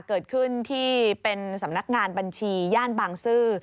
เกิดขึ้นที่เป็นสำนักงานบัญชีย่านบางซื่อ